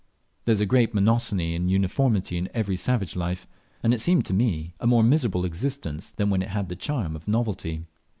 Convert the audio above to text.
There is a great monotony and uniformity in everyday savage life, and it seemed to me a more miserable existence than when it had the charm of novelty.